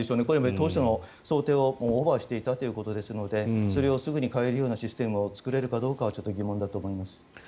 当初の想定をオーバーしていたということですのでそれをすぐに変えるようなシステムを作れるかどうかはちょっと疑問だと思います。